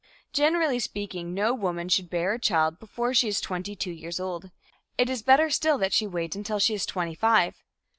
Generally speaking, no woman should bear a child before she is twenty two years old. It is better still that she wait until she is twenty five.